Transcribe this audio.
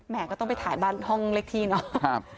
ก็ต้องไปถ่ายบ้านห้องเลขที่เนาะ